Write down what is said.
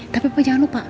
tapi papa jangan lupa